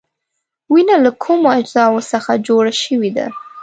وینه له کومو اجزاوو څخه جوړه شوې ده؟